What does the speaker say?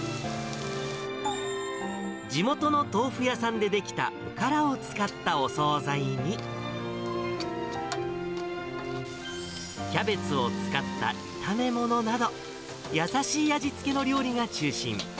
地元の豆腐屋さんで出来たおからを使ったお総菜に、キャベツを使った炒め物など、優しい味付けの料理が中心。